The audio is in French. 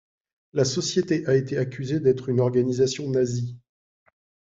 La société a été accusée d’être une organisation nazie.